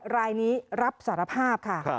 รายนี้รับสารภาพค่ะ